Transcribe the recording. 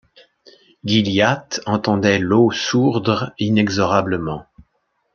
Gilliatt entendait l’eau sourdre inexorablement.